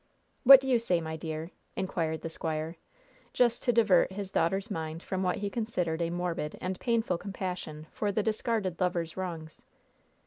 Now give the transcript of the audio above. What do you say, my dear?" inquired the squire, just to divert his daughter's mind from what he considered a morbid and painful compassion for the discarded lover's wrongs.